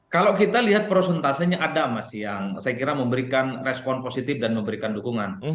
kalau kita lihat prosentasenya ada mas yang saya kira memberikan respon positif dan memberikan dukungan